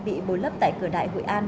bị bối lấp tại cửa đại hội an